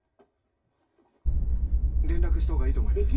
連絡したほうがいいと思います。